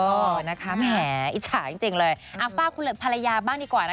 แหมมันน่ารักนะครับแหมอิจฉาจริงเลยอาฟ่าคุณภรรยาบ้างดีกว่านะ